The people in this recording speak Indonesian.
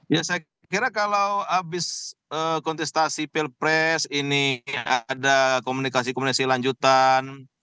ya saya kira kalau habis kontestasi pilpres ini ada komunikasi komunikasi lanjutan